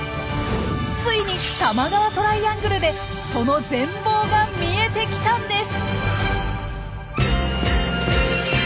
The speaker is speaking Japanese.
ついに多摩川トライアングルでその全貌が見えてきたんです！